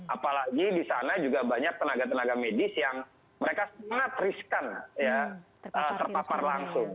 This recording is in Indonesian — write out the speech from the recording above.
apalagi di sana juga banyak tenaga tenaga medis yang mereka sangat riskan ya terpapar langsung